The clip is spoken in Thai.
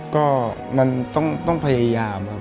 ก็มันต้องพยายามครับ